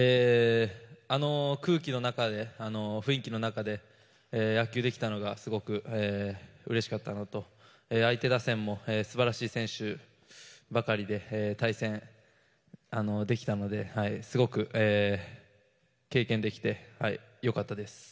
あの雰囲気の中で野球ができたのがすごくうれしかったのと相手打線も素晴らしい選手ばかりで対戦できたのですごく、経験できて良かったです。